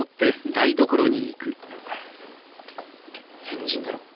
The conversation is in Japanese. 変人だろ？